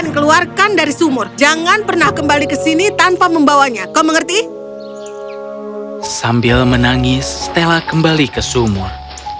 kembali ke sumur